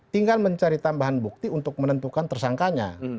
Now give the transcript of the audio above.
tinggal mencari tambahan bukti untuk menentukan tersangkanya